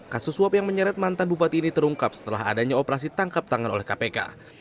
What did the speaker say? kasus suap yang menyeret mantan bupati ini terungkap setelah adanya operasi tangkap tangan oleh kpk